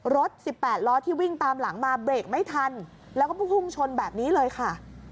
รถ๑๘ล้อที่วิ่งตามหลังมาเบรกไม่ทันแล้วก็พุ่งชนแบบนี้เลยค่ะ